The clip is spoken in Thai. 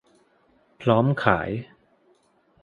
พร้อมขาย